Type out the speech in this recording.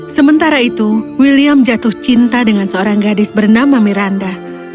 sementara itu william jatuh cinta dengan seorang gadis bernama miranda